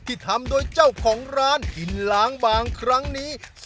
ที่ทำโดยเจ้าของร้านกินล้างบางครั้งนี้